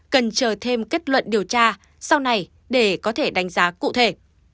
cần chờ thêm kết luận điều tra sau này để có thể đánh giá cụ thể